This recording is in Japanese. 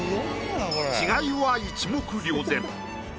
違いは一目瞭然。